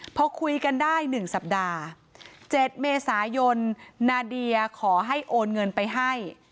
พอคุยกันได้๑สัปดาห์๗เมษายนนาเดียขอให้โอนเงินไปให้